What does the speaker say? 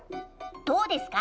どうですか？